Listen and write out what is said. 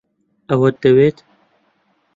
ئەوت دەوێت؟